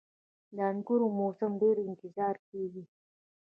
• د انګورو موسم ډیر انتظار کیږي.